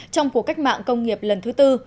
trong cuộc cách mạng công nghiệp lần thứ tư